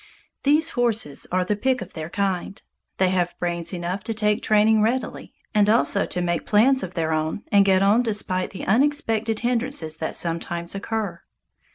These horses are the pick of their kind. They have brains enough to take training readily, and also to make plans of their own and get on despite the unexpected hindrances that sometimes occur.